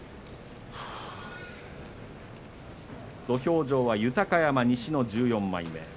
土俵上は豊山西の１４枚目。